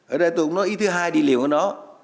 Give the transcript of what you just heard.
ở đây tôi cũng nói ý thứ hai đi liều ở đó